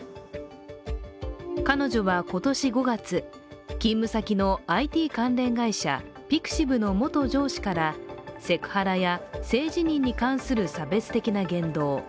彼女は今年５月、勤務先のＩＴ関連会社ピクシブの元上司からセクハラや、性自認に関する差別的な言動、ＳＯＧＩ